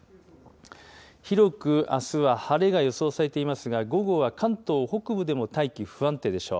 広くあすは晴れが予想されていますが、午後は関東北部でも大気不安定でしょう。